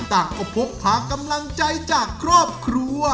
ต่างก็พกพากำลังใจจากครอบครัว